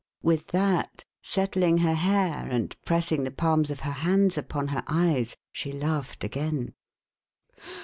With that, settling her hair, and pressing the palms of her hands upon her eyes, she laughed again.